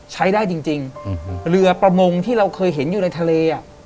ใช้ได้จริงเรือประมงที่เราเคยเห็นอยู่ในทะเล